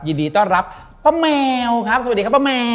ยินดีต้อนรับป้าแมวครับสวัสดีครับป้าแมว